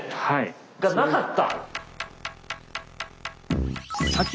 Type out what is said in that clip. がなかった？